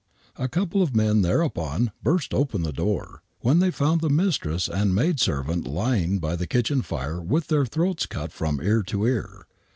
A couple of men thereupon burst open the door, when they found the mistress and maid servant lying by the kitchen fire with their throats cut from ear to ear.